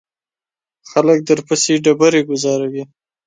خلک درپسې ډیری گوزاروي.